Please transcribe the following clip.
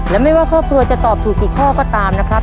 และไม่ว่าครอบครัวจะตอบถูกกี่ข้อก็ตามนะครับ